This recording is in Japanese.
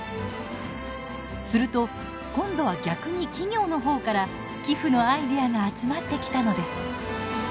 すると今度は逆に企業の方から寄付のアイデアが集まってきたのです。